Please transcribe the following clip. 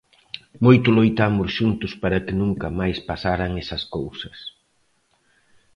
Moito loitamos xuntos para que nunca máis pasaran esas cousas.